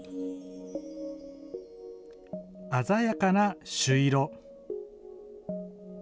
鮮やかな朱色。